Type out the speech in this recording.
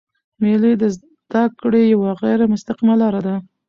مېلې د زدهکړي یوه غیري مستقیمه لاره ده.